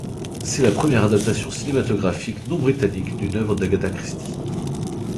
C'est la première adaptation cinématographique non britannique d'une œuvre d'Agatha Christie.